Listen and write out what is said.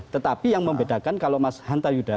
tetapi yang membedakan kalau mas hanta yuda